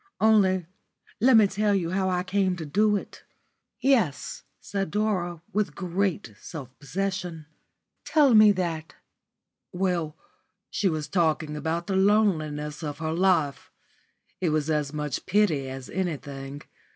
Only let me tell you how I came to do it." "Yes," said Dora, with great self possession, "tell me that." "Well, she was talking about the loneliness of her life. It was as much pity as anything.